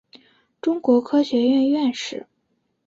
中国科学院院士。